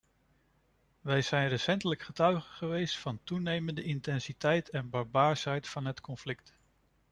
Wij zijn recentelijk getuige geweest van toenemende intensiteit en barbaarsheid van het conflict.